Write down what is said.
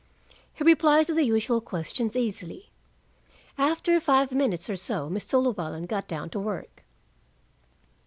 He replied to the usual questions easily. After five minutes or so Mr. Llewellyn got down to work.